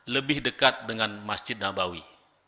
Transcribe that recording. lebih dekat dengan masjid nabawi